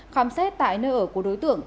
khám xét tại nơi ở của đối tượng